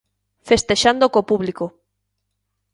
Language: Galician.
Festexando co público.